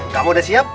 kamu udah siap